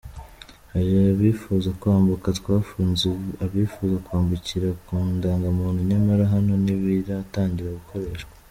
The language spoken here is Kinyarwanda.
Hari abifuza kwambuka twafunze, abifuza kwambukira ku ndangamuntu, nyamara hano ntibiratangira gukoreshwa.